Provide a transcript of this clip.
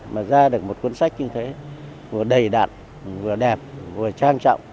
mà ra được một cuốn sách như thế vừa đầy đạn vừa đẹp vừa trang trọng